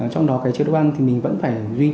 trong đó chế độ ăn thì mình vẫn phải duy trì